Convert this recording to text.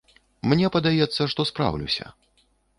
Мне падаецца, што спраўлюся.